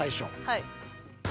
はい。